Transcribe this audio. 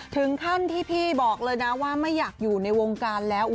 ถึงขั้นที่พี่บอกเลยนะว่าไม่อยากอยู่ในวงการแล้ว